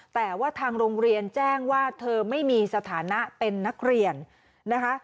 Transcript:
แต่ว่าทางโรงเรียนแจ้งว่าเธอไม่มีสถานะเป็นนักเรียนนะคะ